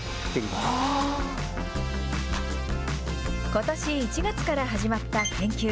ことし１月から始まった研究。